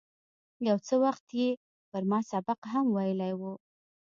یو څه وخت یې پر ما سبق هم ویلی و.